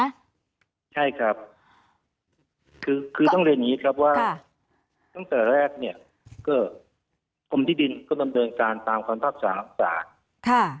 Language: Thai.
คือต้องเรียนอย่างนี้ครับว่าตั้งแต่แรกเนี่ยก็ความที่ดินก็ดำเนินการตามความภาพศาสตร์หักศาสตร์